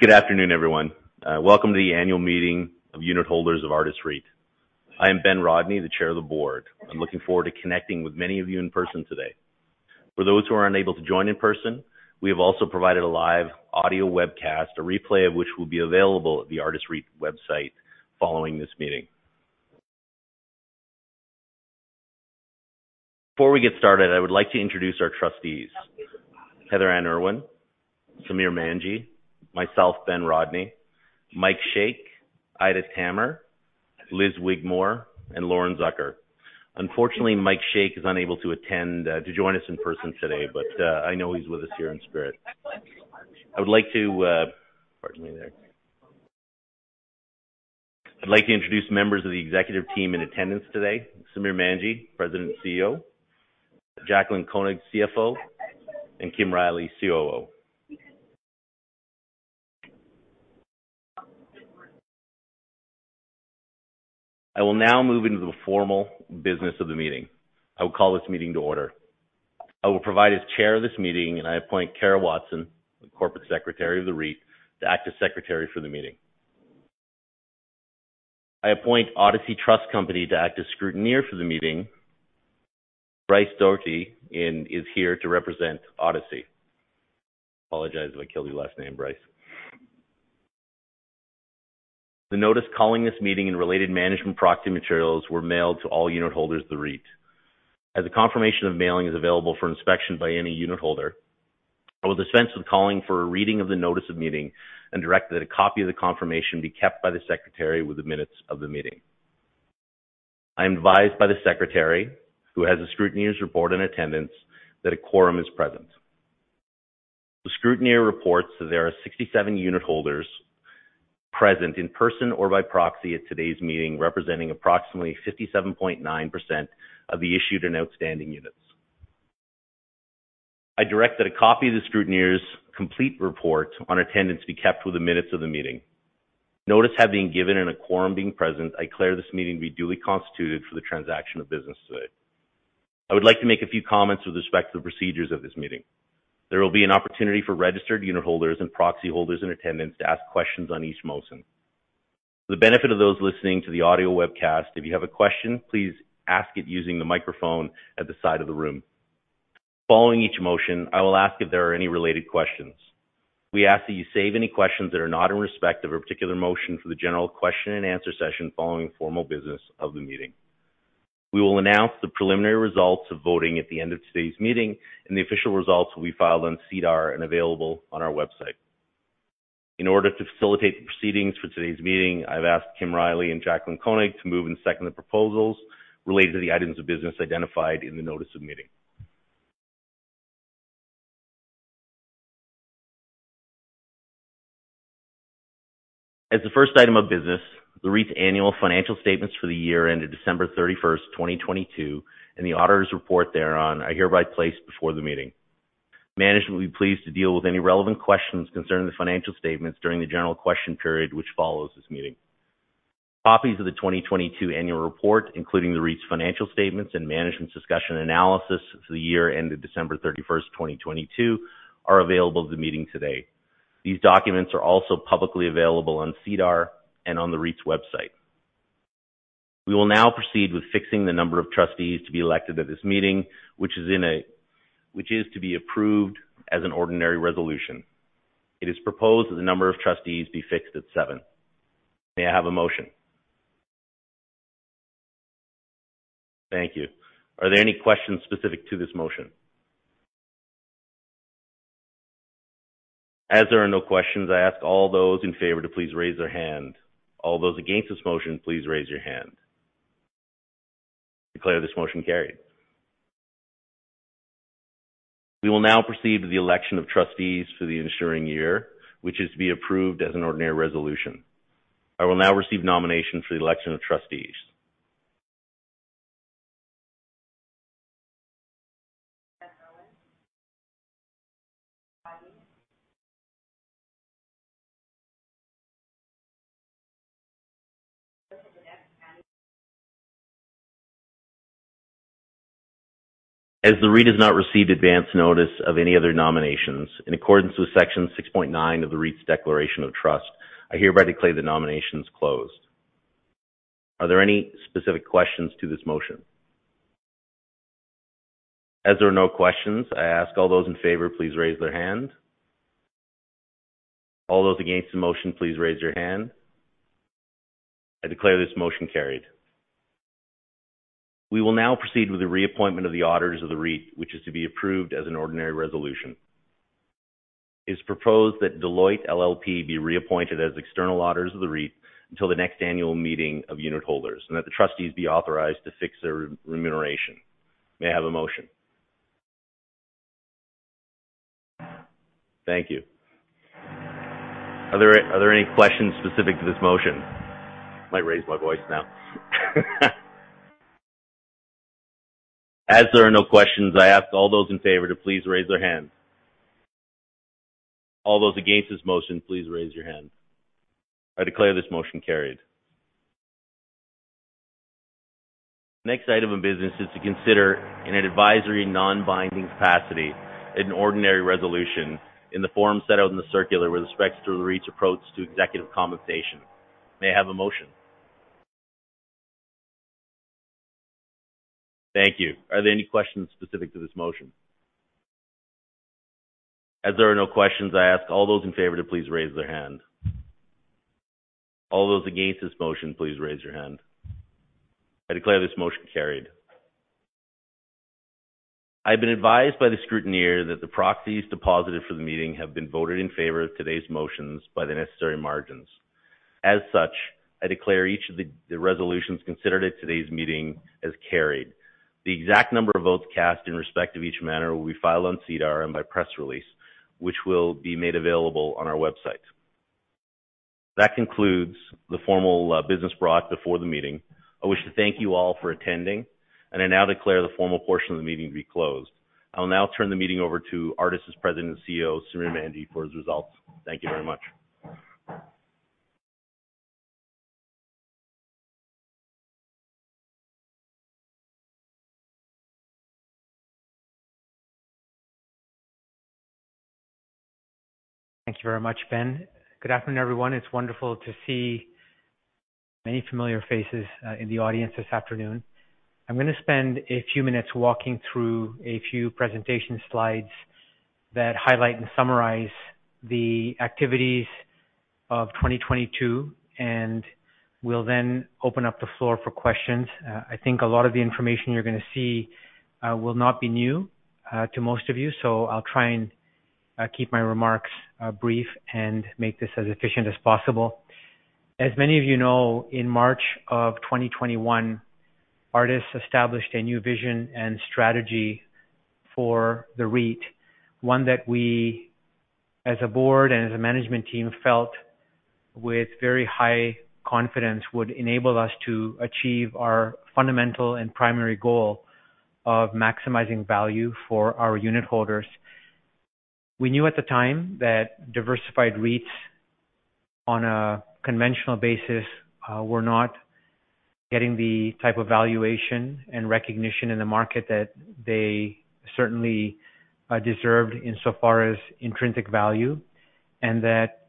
Good afternoon, everyone. Welcome to the annual meeting of unitholders of Artis REIT. I am Ben Rodney, the Chair of the Board. I'm looking forward to connecting with many of you in person today. For those who are unable to join in person, we have also provided a live audio webcast, a replay of which will be available at the Artis REIT website following this meeting. Before we get started, I would like to introduce our trustees, Heather-Anne Irwin, Samir Manji, myself Ben Rodney, Mike Shaikh, Aida Tammer, Lis Wigmore, and Lauren Zucker. Unfortunately, Mike Shaikh is unable to attend, to join us in person today, but I know he's with us here in spirit. I would like to, pardon me there. I'd like to introduce members of the executive team in attendance today. Samir Manji, President and CEO, Jaclyn Koenig, CFO, and Kim Riley, COO. I will now move into the formal business of the meeting. I will call this meeting to order. I will provide as chair of this meeting, and I appoint Kara Watson, the corporate secretary of the REIT, to act as secretary for the meeting. I appoint Odyssey Trust Company to act as scrutineer for the meeting. Bryce Docherty in, is here to represent Odyssey. Apologize if I killed your last name, Bryce. The notice calling this meeting and related management proxy materials were mailed to all unitholders of the REIT. As a confirmation of mailing is available for inspection by any unitholder, I will dispense with calling for a reading of the notice of meeting and direct that a copy of the confirmation be kept by the secretary with the minutes of the meeting. I am advised by the secretary, who has a scrutineer's report in attendance, that a quorum is present. The scrutineer reports that there are 67 unitholders present in person or by proxy at today's meeting, representing approximately 57.9% of the issued and outstanding units. I direct that a copy of the scrutineer's complete report on attendance be kept with the minutes of the meeting. Notice have been given and a quorum being present, I declare this meeting to be duly constituted for the transaction of business today. I would like to make a few comments with respect to the procedures of this meeting. There will be an opportunity for registered unitholders and proxy holders in attendance to ask questions on each motion. For the benefit of those listening to the audio webcast, if you have a question, please ask it using the microphone at the side of the room. Following each motion, I will ask if there are any related questions. We ask that you save any questions that are not in respect of a particular motion for the general question and answer session following the formal business of the meeting. We will announce the preliminary results of voting at the end of today's meeting. The official results will be filed on SEDAR and available on our website. In order to facilitate the proceedings for today's meeting, I've asked Kim Riley and Jaclyn Koenig to move and second the proposals related to the items of business identified in the notice of meeting. As the first item of business, the REIT's annual financial statements for the year ended December 31st, 2022, and the auditor's report thereon are hereby placed before the meeting. Management will be pleased to deal with any relevant questions concerning the financial statements during the general question period, which follows this meeting. Copies of the 2022 annual report, including the REIT's financial statements and management's discussion analysis for the year ended December 31st, 2022, are available at the meeting today. These documents are also publicly available on SEDAR and on the REIT's website. We will now proceed with fixing the number of trustees to be elected at this meeting, which is to be approved as an ordinary resolution. It is proposed that the number of trustees be fixed at seven. May I have a motion? Thank you. Are there any questions specific to this motion? As there are no questions, I ask all those in favor to please raise their hand. All those against this motion, please raise your hand. I declare this motion carried. We will now proceed to the election of trustees for the ensuing year, which is to be approved as an ordinary resolution. I will now receive nominations for the election of trustees. As the REIT has not received advance notice of any other nominations, in accordance with Section 6.9 of the REIT's Declaration of Trust, I hereby declare the nominations closed. Are there any specific questions to this motion? As there are no questions, I ask all those in favor, please raise their hand. All those against the motion, please raise your hand. I declare this motion carried. We will now proceed with the reappointment of the auditors of the REIT, which is to be approved as an ordinary resolution. It's proposed that Deloitte LLP be reappointed as external auditors of the REIT until the next annual meeting of unitholders, and that the trustees be authorized to fix their remuneration. May I have a motion? Thank you. Are there any questions specific to this motion? I might raise my voice now. As there are no questions, I ask all those in favor to please raise their hands. All those against this motion, please raise your hand. I declare this motion carried. Next item of business is to consider in an advisory, non-binding capacity, an ordinary resolution in the form set out in the circular with respects to the REIT's approach to executive compensation. May I have a motion? Thank you. Are there any questions specific to this motion? As there are no questions, I ask all those in favor to please raise their hand. All those against this motion, please raise your hand. I declare this motion carried. I've been advised by the scrutineer that the proxies deposited for the meeting have been voted in favor of today's motions by the necessary margins. As such, I declare each of the resolutions considered at today's meeting as carried. The exact number of votes cast in respect of each manner will be filed on SEDAR and by press release, which will be made available on our website. That concludes the formal business brought before the meeting. I wish to thank you all for attending, and I now declare the formal portion of the meeting to be closed. I'll now turn the meeting over to Artis' President and CEO, Samir Manji, for his results. Thank you very much. Thank you very much, Ben. Good afternoon, everyone. It's wonderful to see many familiar faces in the audience this afternoon. I'm gonna spend a few minutes walking through a few presentation slides that highlight and summarize the activities of 2022. We'll then open up the floor for questions. I think a lot of the information you're gonna see will not be new to most of you. I'll try and keep my remarks brief and make this as efficient as possible. As many of you know, in March of 2021, Artis established a new vision and strategy for the REIT. One that we, as a board and as a management team, felt with very high confidence, would enable us to achieve our fundamental and primary goal of maximizing value for our unitholders. We knew at the time that diversified REITs on a conventional basis, were not getting the type of valuation and recognition in the market that they certainly, deserved in so far as intrinsic value, and that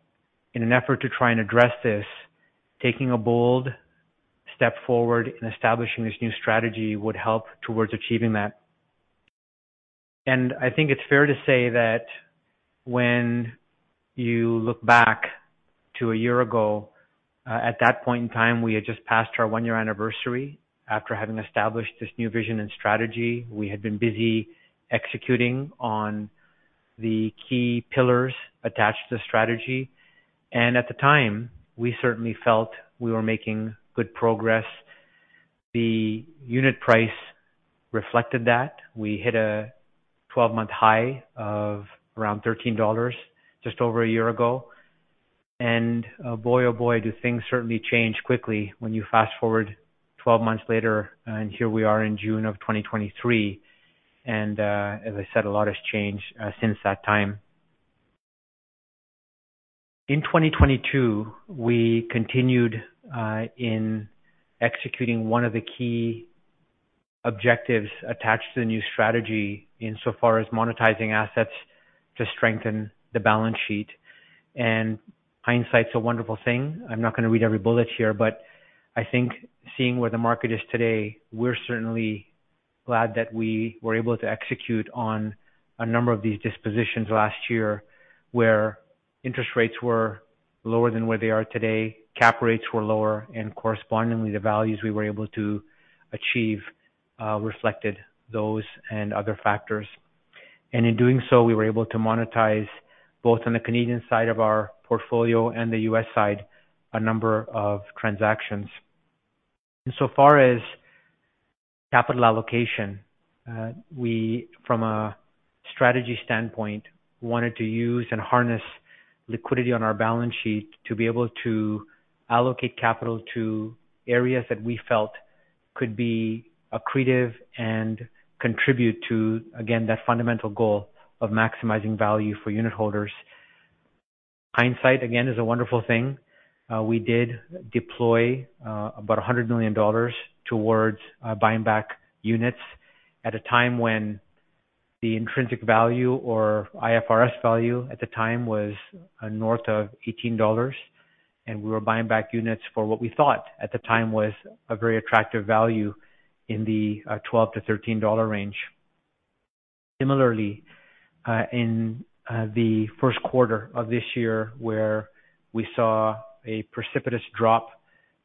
in an effort to try and address this, taking a bold step forward in establishing this new strategy would help towards achieving that. I think it's fair to say that when you look back to a year ago, at that point in time, we had just passed our one-year anniversary after having established this new vision and strategy. We had been busy executing on the key pillars attached to the strategy, and at the time, we certainly felt we were making good progress. The unit price reflected that. We hit a 12-month high of around 13 dollars just over a year ago. Boy, oh, boy, do things certainly change quickly when you fast-forward 12 months later, and here we are in June of 2023. As I said, a lot has changed since that time. In 2022, we continued in executing one of the key objectives attached to the new strategy insofar as monetizing assets to strengthen the balance sheet. Hindsight's a wonderful thing. I'm not gonna read every bullet here, but I think seeing where the market is today, we're certainly glad that we were able to execute on a number of these dispositions last year, where interest rates were lower than where they are today, cap rates were lower, and correspondingly, the values we were able to achieve reflected those and other factors. In doing so, we were able to monetize, both on the Canadian side of our portfolio and the U.S. side, a number of transactions. Insofar as capital allocation, we, from a strategy standpoint, wanted to use and harness liquidity on our balance sheet to be able to allocate capital to areas that we felt could be accretive and contribute to, again, that fundamental goal of maximizing value for unitholders. Hindsight, again, is a wonderful thing. We did deploy about 100 million dollars towards buying back units at a time when the intrinsic value or IFRS value at the time was north of 18 dollars, and we were buying back units for what we thought at the time was a very attractive value in the 12-13 dollar range. Similarly, in the first quarter of this year, where we saw a precipitous drop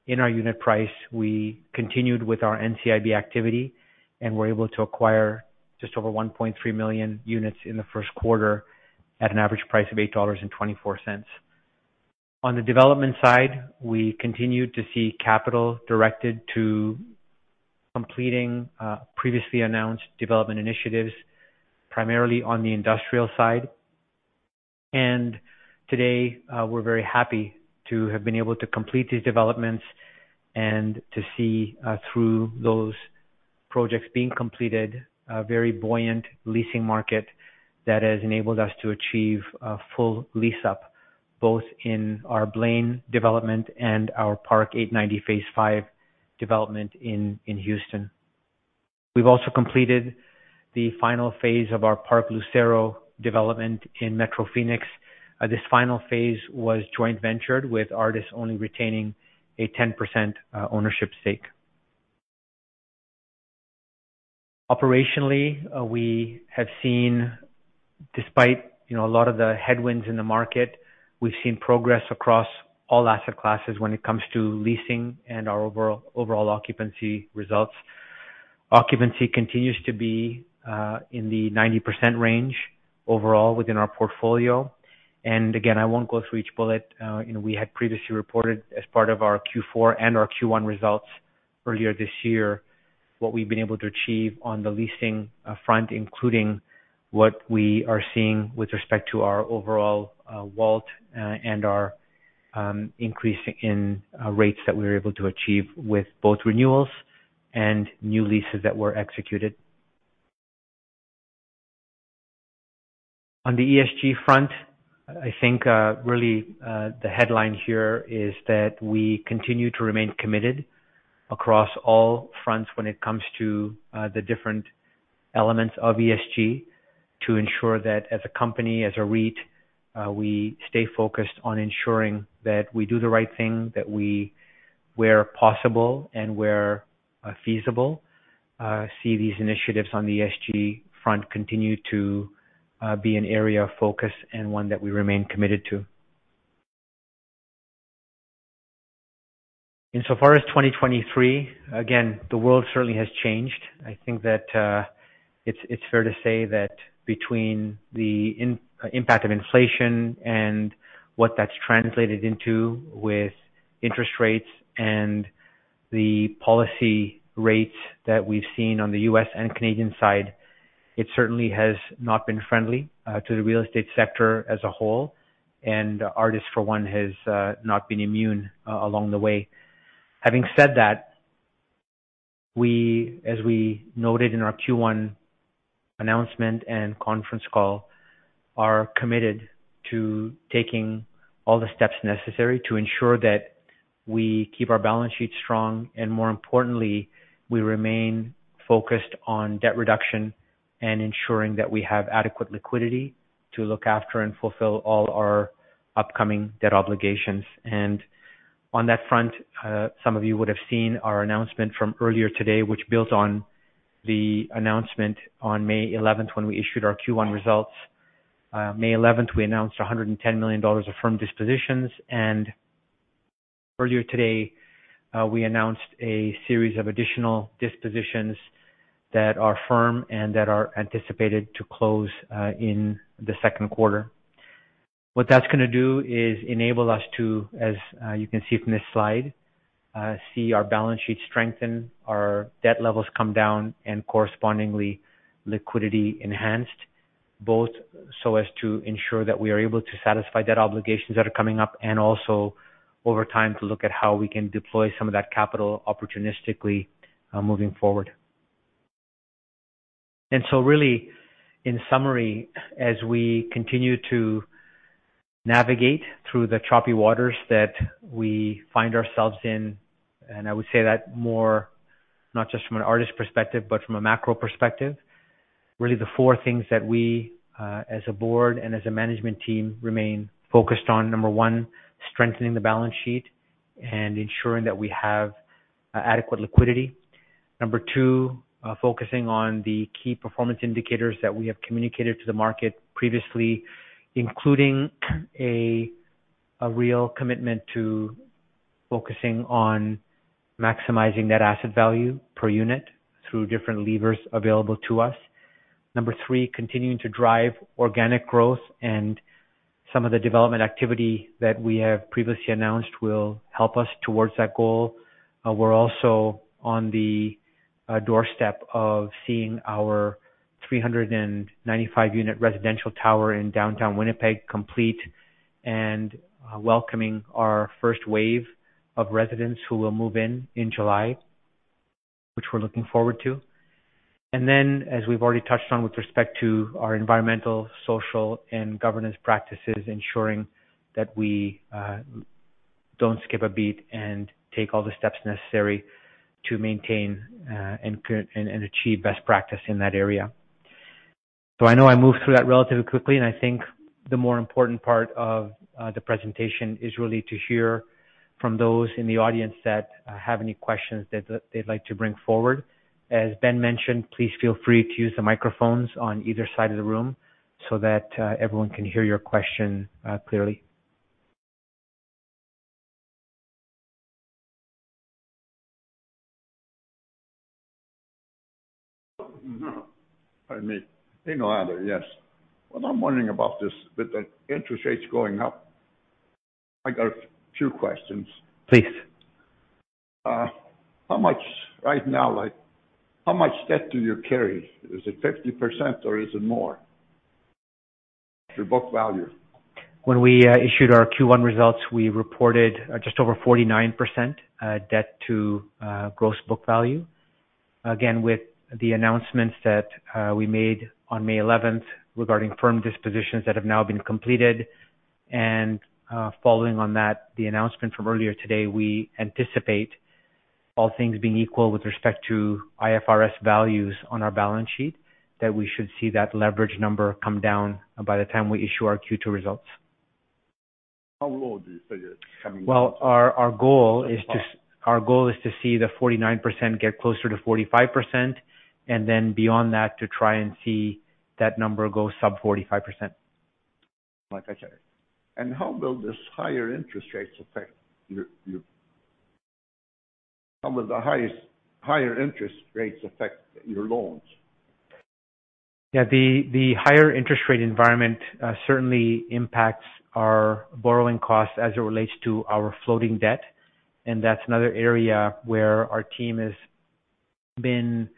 in our unit price, we continued with our NCIB activity and were able to acquire just over 1.3 million units in the first quarter at an average price of 8.24 dollars. On the development side, we continued to see capital directed to completing previously announced development initiatives, primarily on the industrial side. Today, we're very happy to have been able to complete these developments and to see, through those projects being completed, a very buoyant leasing market that has enabled us to achieve a full lease-up. both in our Blaine development and our Park 8Ninety Phase 5 development in Houston. We've also completed the final phase of our Park Lucero development in Metro Phoenix. This final phase was joint ventured, with Artis only retaining a 10% ownership stake. Operationally, we have seen, despite, you know, a lot of the headwinds in the market, we've seen progress across all asset classes when it comes to leasing and our overall occupancy results. Occupancy continues to be in the 90% range overall within our portfolio. Again, I won't go through each bullet. You know, we had previously reported as part of our Q4 and our Q1 results earlier this year, what we've been able to achieve on the leasing front, including what we are seeing with respect to our overall wallet and our increase in rates that we were able to achieve with both renewals and new leases that were executed. On the ESG front, I think, really, the headline here is that we continue to remain committed across all fronts when it comes to the different elements of ESG, to ensure that as a company, as a REIT, we stay focused on ensuring that we do the right thing, that we, where possible and where feasible, see these initiatives on the ESG front continue to be an area of focus and one that we remain committed to. In so far as 2023, again, the world certainly has changed. I think that, it's fair to say that between the impact of inflation and what that's translated into with interest rates and the policy rates that we've seen on the U.S. and Canadian side, it certainly has not been friendly, to the real estate sector as a whole. Artis, for one, has not been immune along the way. Having said that, we, as we noted in our Q1 announcement and conference call, are committed to taking all the steps necessary to ensure that we keep our balance sheet strong, and more importantly, we remain focused on debt reduction and ensuring that we have adequate liquidity to look after and fulfill all our upcoming debt obligations. On that front, some of you would have seen our announcement from earlier today, which builds on the announcement on May 11th, when we issued our Q1 results. May eleventh, we announced 110 million dollars of firm dispositions, and earlier today, we announced a series of additional dispositions that are firm and that are anticipated to close in the second quarter. What that's gonna do is enable us to, as, you can see from this slide, see our balance sheet strengthen, our debt levels come down, and correspondingly, liquidity enhanced, both so as to ensure that we are able to satisfy debt obligations that are coming up, and also over time, to look at how we can deploy some of that capital opportunistically, moving forward. Really, in summary, as we continue to navigate through the choppy waters that we find ourselves in, and I would say that more, not just from an Artis perspective, but from a macro perspective, really the four things that we, as a board and as a management team, remain focused on: number one, strengthening the balance sheet and ensuring that we have adequate liquidity. Number two, focusing on the key performance indicators that we have communicated to the market previously, including a real commitment to focusing on maximizing that asset value per unit through different levers available to us. Number three, continuing to drive organic growth and some of the development activity that we have previously announced will help us towards that goal. We're also on the doorstep of seeing our 395 unit residential tower in downtown Winnipeg complete and welcoming our first wave of residents who will move in in July, which we're looking forward to. Then, as we've already touched on with respect to our environmental, social, and governance practices, ensuring that we don't skip a beat and take all the steps necessary to maintain and achieve best practice in that area. I know I moved through that relatively quickly, and I think the more important part of the presentation is really to hear from those in the audience that have any questions that they'd like to bring forward. As Ben mentioned, please feel free to use the microphones on either side of the room so that everyone can hear your question clearly. Pardon me. Hey, no other. Yes. What I'm wondering about is, with the interest rates going up, I got a few questions. Please. Right now, like, how much debt do you carry? Is it 50% or is it more? Your book value? When we issued our Q1 results, we reported just over 49% debt-to-gross book value. Again, with the announcements that we made on May 11th regarding firm dispositions that have now been completed. Following on that, the announcement from earlier today, we anticipate all things being equal with respect to IFRS values on our balance sheet, that we should see that leverage number come down by the time we issue our Q2 results. How low do you figure it coming down to? Well, our goal is to- Okay. Our goal is to see the 49% get closer to 45%, and then beyond that, to try and see that number go sub 45%. Like I said. How will higher interest rates affect your loans? Yeah, the higher interest rate environment certainly impacts our borrowing costs as it relates to our floating debt. That's another area where our team has been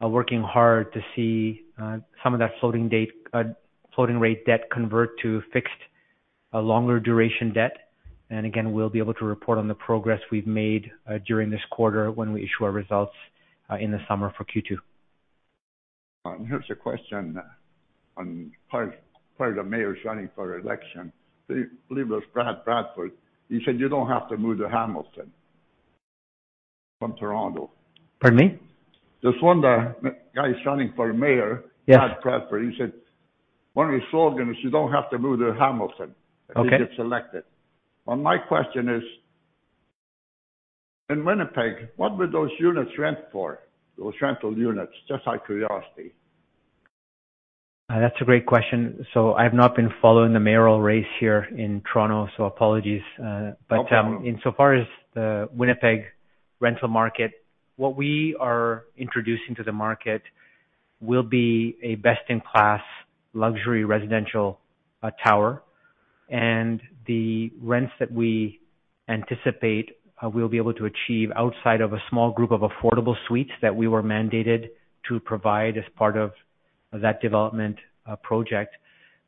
working hard to see some of that floating debt floating rate debt convert to fixed a longer duration debt. Again, we'll be able to report on the progress we've made during this quarter when we issue our results in the summer for Q2. Here's a question on part of the mayor's running for election. I believe it was Brad Bradford. He said you don't have to move to Hamilton from Toronto. Pardon me? Just wonder, the guy running for mayor- Yes. Brad Bradford, he said one of his slogans is: "You don't have to move to Hamilton- Okay. -if you get elected." My question is, in Winnipeg, what would those units rent for? Those rental units. Just out of curiosity. That's a great question. I've not been following the mayoral race here in Toronto, so apologies. No problem. Insofar as the Winnipeg rental market, what we are introducing to the market will be a best-in-class luxury residential tower. The rents that we anticipate we'll be able to achieve outside of a small group of affordable suites that we were mandated to provide as part of that development project.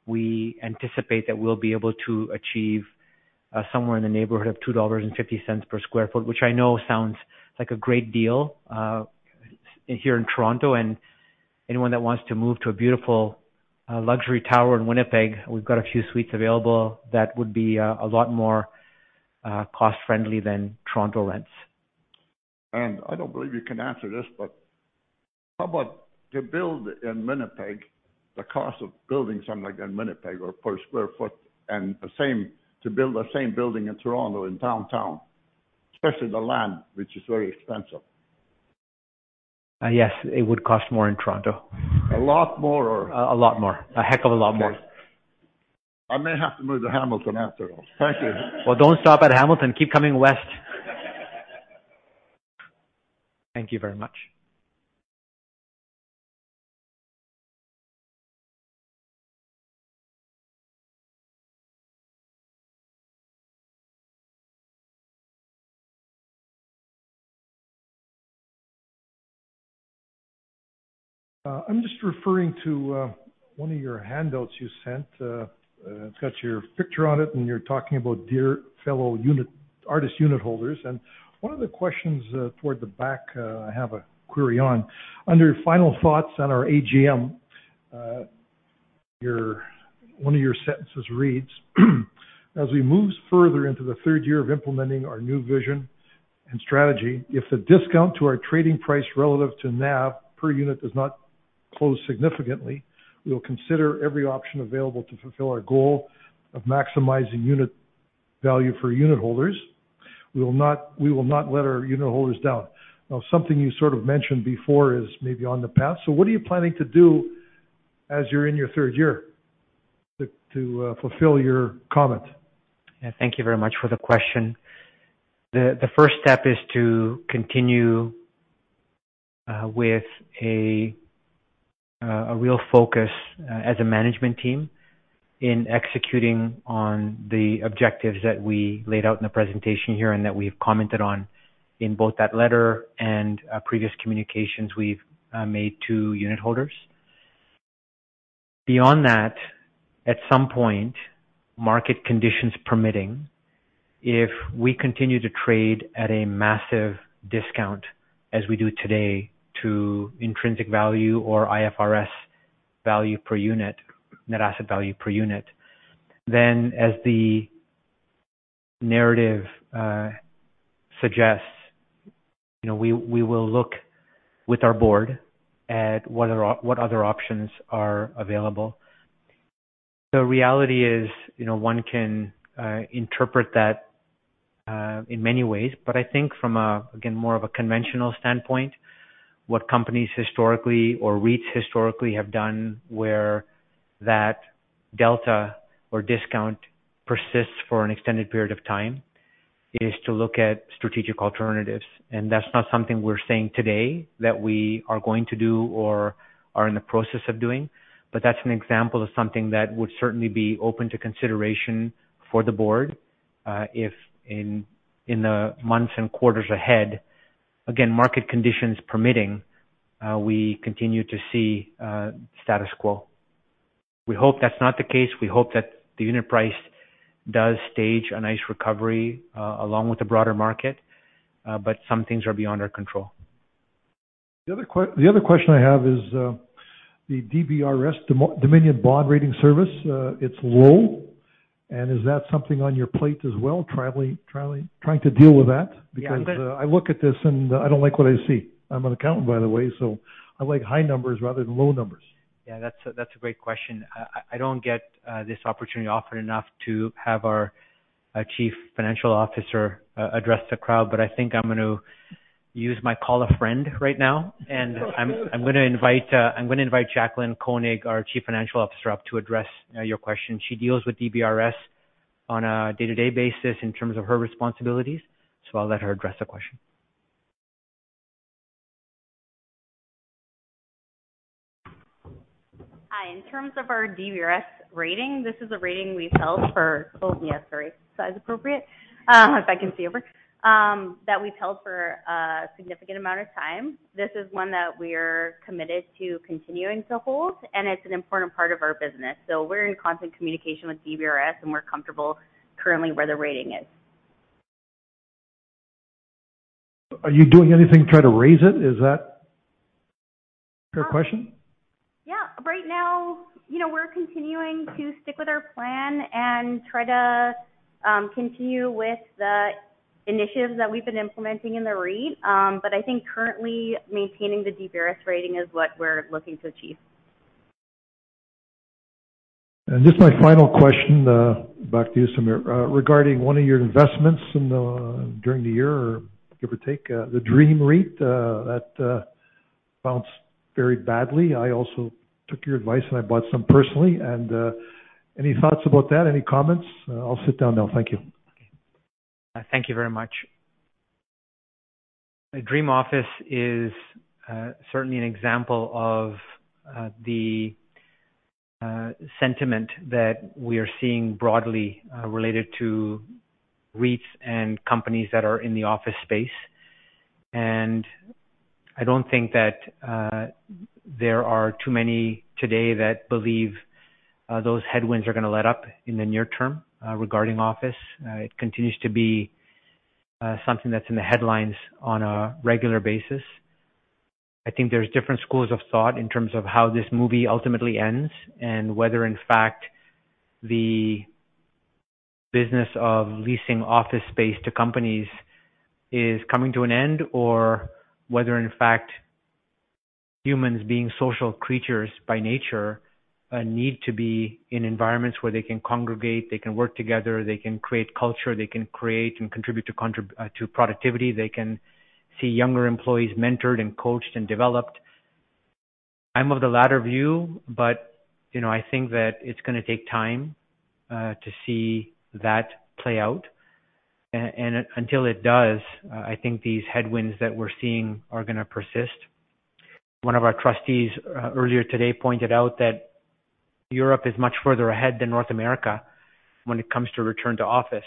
We anticipate that we'll be able to achieve somewhere in the neighborhood of 2.50 dollars per sq ft, which I know sounds like a great deal here in Toronto. Anyone that wants to move to a beautiful luxury tower in Winnipeg, we've got a few suites available that would be a lot more cost-friendly than Toronto rents. I don't believe you can answer this, but how about to build in Winnipeg, the cost of building something like in Winnipeg or per sq ft, and the same, to build the same building in Toronto, in downtown, especially the land, which is very expensive? Yes, it would cost more in Toronto. A lot more or? A lot more. A heck of a lot more. Okay. I may have to move to Hamilton after all. Thank you. Well, don't stop at Hamilton. Keep coming west. Thank you very much. I'm just referring to one of your handouts you sent. It's got your picture on it, and you're talking about dear fellow Artis unitholders. One of the questions toward the back, I have a query on. Under final thoughts on our AGM, your. One of your sentences reads, "As we move further into the third year of implementing our new vision and strategy, if the discount to our trading price relative to NAV per unit does not close significantly, we will consider every option available to fulfill our goal of maximizing unit value for unitholders. We will not let our unitholders down." Something you sort of mentioned before is maybe on the path. What are you planning to do as you're in your third year to fulfill your comment? Yeah. Thank you very much for the question. The first step is to continue with a real focus as a management team in executing on the objectives that we laid out in the presentation here, and that we've commented on in both that letter and previous communications we've made to unitholders. Beyond that, at some point, market conditions permitting, if we continue to trade at a massive discount, as we do today, to intrinsic value or IFRS value per unit, net asset value per unit, then as the narrative suggests, you know, we will look with our board at what are, what other options are available. The reality is, you know, one can interpret that in many ways, but I think from a, again, more of a conventional standpoint, what companies historically or REITs historically have done, where that delta or discount persists for an extended period of time, is to look at strategic alternatives. That's not something we're saying today that we are going to do or are in the process of doing, but that's an example of something that would certainly be open to consideration for the Board, if in the months and quarters ahead, again, market conditions permitting, we continue to see status quo. We hope that's not the case. We hope that the unit price does stage a nice recovery along with the broader market, some things are beyond our control. The other question I have is, the DBRS, Dominion Bond Rating Service. It's low, is that something on your plate as well, trying to deal with that? Yeah, but-. I look at this, and I don't like what I see. I'm an accountant, by the way, I like high numbers rather than low numbers. That's a great question. I don't get this opportunity often enough to have our Chief Financial Officer address the crowd, but I think I'm gonna use my call a friend right now. I'm gonna invite Jaclyn Koenig, our Chief Financial Officer, up to address your question. She deals with DBRS on a day-to-day basis in terms of her responsibilities. I'll let her address the question. Hi. In terms of our DBRS rating, this is a rating we've held for, oh, yeah, sorry, size appropriate. If I can see over. That we've held for a significant amount of time. This is one that we're committed to continuing to hold, and it's an important part of our business. We're in constant communication with DBRS, and we're comfortable currently where the rating is. Are you doing anything to try to raise it? Is that fair question? Yeah. Right now, you know, we're continuing to stick with our plan and try to, continue with the initiatives that we've been implementing in the REIT. I think currently maintaining the DBRS rating is what we're looking to achieve. Just my final question, back to you, Samir. Regarding one of your investments in the, during the year, or give or take, the Dream REIT, that bounced very badly. I also took your advice, and I bought some personally. Any thoughts about that? Any comments? I'll sit down now. Thank you. Thank you very much. Dream Office REIT is certainly an example of the sentiment that we are seeing broadly related to REITs and companies that are in the office space. I don't think that there are too many today that believe those headwinds are gonna let up in the near term regarding office. It continues to be something that's in the headlines on a regular basis. I think there's different schools of thought in terms of how this movie ultimately ends, and whether in fact, the business of leasing office space to companies is coming to an end, or whether in fact, humans being social creatures by nature, need to be in environments where they can congregate, they can work together, they can create culture, they can create and contribute to productivity. They can see younger employees mentored and coached and developed. I'm of the latter view, but, you know, I think that it's gonna take time to see that play out. Until it does, I think these headwinds that we're seeing are gonna persist. One of our trustees earlier today pointed out that Europe is much further ahead than North America when it comes to return to office.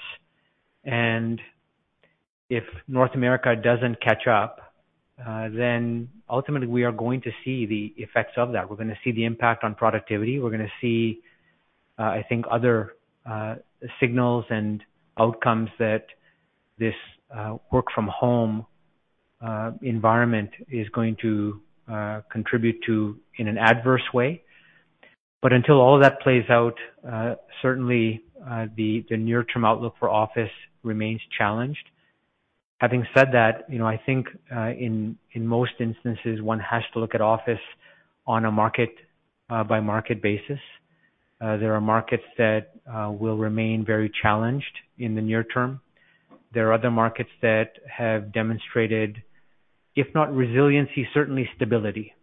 If North America doesn't catch up, then ultimately we are going to see the effects of that. We're gonna see the impact on productivity. We're gonna see, I think other signals and outcomes that this work from home environment is going to contribute to in an adverse way. Until all of that plays out, certainly, the near term outlook for office remains challenged. Having said that, you know, I think in most instances, one has to look at office on a market-by-market basis. There are markets that will remain very challenged in the near term. There are other markets that have demonstrated, if not resiliency, certainly stability.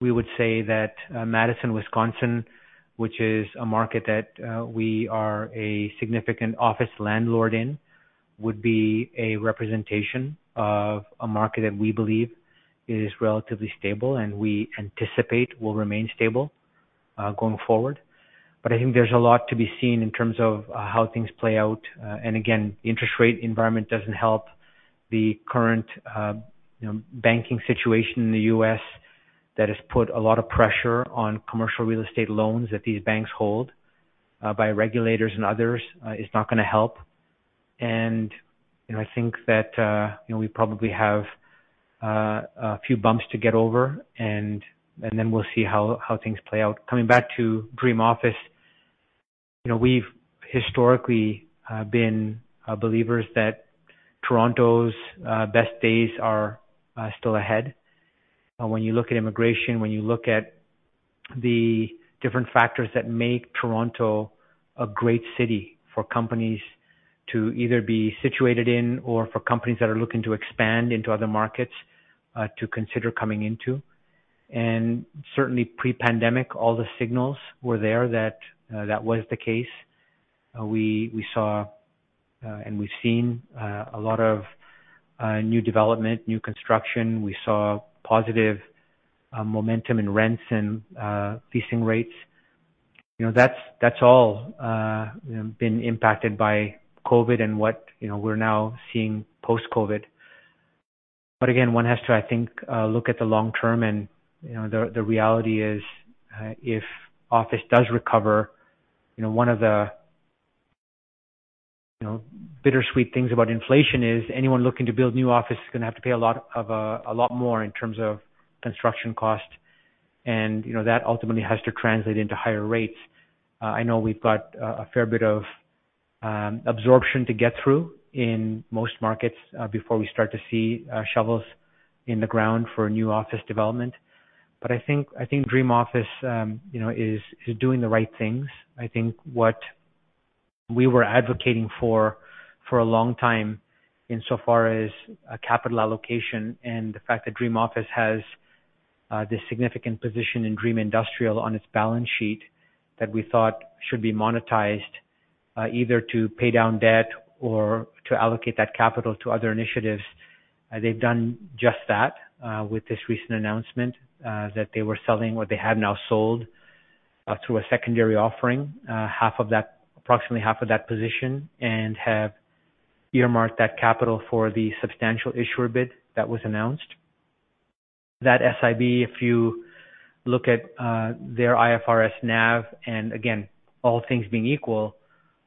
We would say that Madison, Wisconsin, which is a market that we are a significant office landlord in, would be a representation of a market that we believe is relatively stable and we anticipate will remain stable going forward. I think there's a lot to be seen in terms of how things play out. Again, the interest rate environment doesn't help the current, you know, banking situation in the U.S. that has put a lot of pressure on commercial real estate loans that these banks hold by regulators and others is not gonna help. You know, I think that, you know, we probably have a few bumps to get over and then we'll see how things play out. Coming back to Dream Office, you know, we've historically been believers that Toronto's best days are still ahead. When you look at immigration, when you look at the different factors that make Toronto a great city for companies to either be situated in or for companies that are looking to expand into other markets to consider coming into. Certainly pre-pandemic, all the signals were there that that was the case. We saw, and we've seen, a lot of new development, new construction. We saw positive momentum in rents and leasing rates. You know, that's all been impacted by COVID and what, you know, we're now seeing post-COVID. Again, one has to, I think, look at the long term and, you know, the reality is, if office does recover, you know, one of the, you know, bittersweet things about inflation is anyone looking to build new office is gonna have to pay a lot of, a lot more in terms of construction cost, and, you know, that ultimately has to translate into higher rates. I know we've got a fair bit of absorption to get through in most markets before we start to see shovels in the ground for new office development. I think Dream Office, you know, is doing the right things. I think what we were advocating for a long time, insofar as capital allocation and the fact that Dream Office has this significant position in Dream Industrial on its balance sheet, that we thought should be monetized either to pay down debt or to allocate that capital to other initiatives. They've done just that with this recent announcement that they were selling what they have now sold through a secondary offering. Approximately half of that position, and have earmarked that capital for the Substantial Issuer Bid that was announced. That SIB, if you look at their IFRS NAV, and again, all things being equal,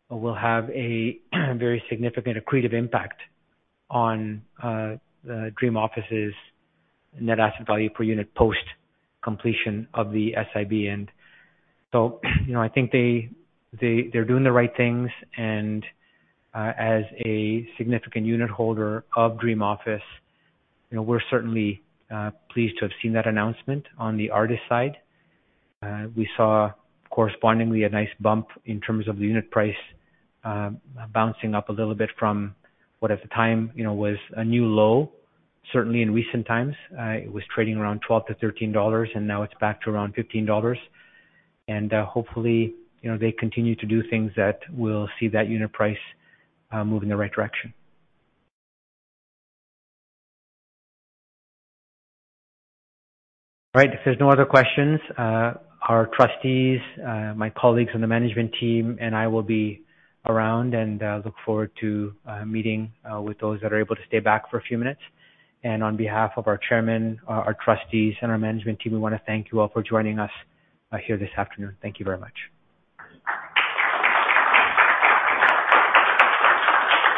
will have a very significant accretive impact on the Dream Office's net asset value per unit post-completion of the SIB. You know, I think they're doing the right things, and as a significant unit holder of Dream Office, you know, we're certainly pleased to have seen that announcement on the Artis side. We saw correspondingly a nice bump in terms of the unit price, bouncing up a little bit from what at the time, you know, was a new low. Certainly in recent times, it was trading around 12-13 dollars, and now it's back to around 15 dollars. Hopefully, you know, they continue to do things that will see that unit price move in the right direction. All right. If there's no other questions, our Trustees, my colleagues on the Management Team and I will be around and look forward to meeting with those that are able to stay back for a few minutes. On behalf of our Chairman, our Trustees, and our management team, we wanna thank you all for joining us here this afternoon. Thank you very much.